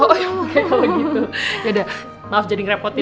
oh ya kalau gitu ya udah maaf jadi ngerepotin